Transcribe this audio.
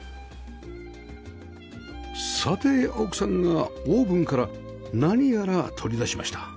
さて奥さんがオーブンから何やら取り出しました